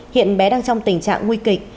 hiện bé đang trong tình trạng nguy kịch